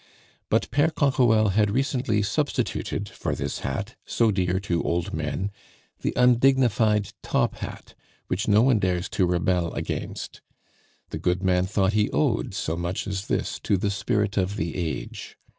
But Pere Canquoelle had recently substituted for this hat, so dear to old men, the undignified top hat, which no one dares to rebel against. The good man thought he owed so much as this to the spirit of the age.